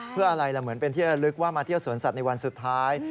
เพื่ออะไรล่ะเหมือนเป็นที่ระลึกว่ามาเที่ยวสวนสัตว์ในวันสุดท้าย